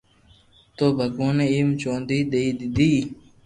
تو ڀگواناوني ھيم چونڌي دئي دي